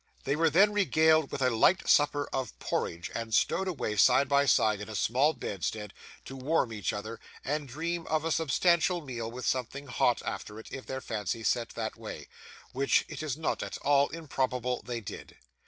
They were then regaled with a light supper of porridge, and stowed away, side by side, in a small bedstead, to warm each other, and dream of a substantial meal with something hot after it, if their fancies set that way: which it is not at all improbable they did.